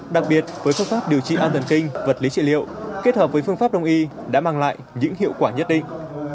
đặc biệt với phương pháp điều trị an thần kinh vật lý trị liệu kết hợp với phương pháp đông y đã mang lại những hiệu quả nhất định